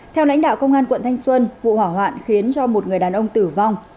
theo lãnh đạo công an quận thanh xuân vụ hỏa hoạn khiến cho một người đàn ông tử vong